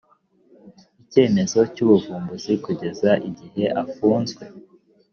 icyemezo cy ubuvumbuzi kugeza igihe afunzwe